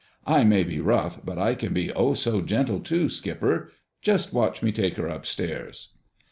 "I may be rough, but I can be oh, so gentle, too, Skipper! Just watch me take her upstairs."